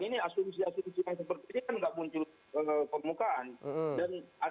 ini asumsi asumsi yang sepertinya kan tidak muncul permukaan